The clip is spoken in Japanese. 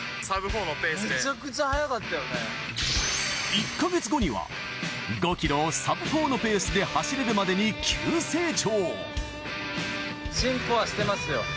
１カ月後には５キロをサブ４のペースで走れるまでに急成長。